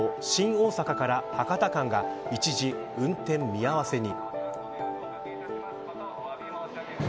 大阪から博多間が一時運転見合わせに。